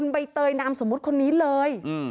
ใบเตยนามสมมุติคนนี้เลย